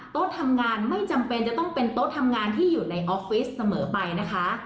โต๊ะทำงานไม่จำเป็นจะต้องเป็นโต๊ะทำงานที่อยู่ในออฟฟิศเสมอไปนะคะ